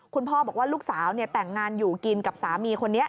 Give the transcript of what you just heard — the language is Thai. คุณพ่อบอกว่าลูกสาวแต่งงานอยู่กินกับสามีคนนี้